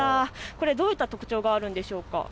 これはどういった特徴があるんでしょうか。